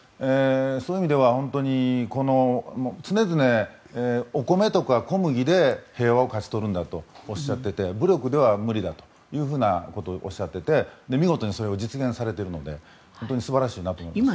そういう意味では常々お米とか小麦で平和を勝ち取るんだと言っていて武力では無理だということをおっしゃっていて見事にそれを実現されているので本当に素晴らしいなと思います。